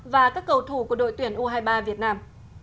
và các cầu thủ của đội tuyển u hai mươi ba việt nam